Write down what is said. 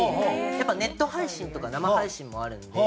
やっぱネット配信とか生配信もあるので。